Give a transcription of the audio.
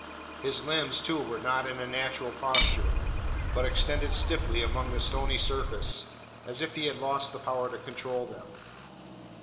His limbs, too, were not in a natural posture; but extended stiffly along the stony surface, as if he had lost the power to control them.